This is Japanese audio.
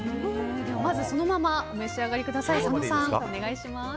まずそのままお召し上がりください。